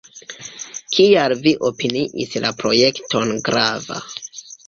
Kial vi opiniis la projekton grava?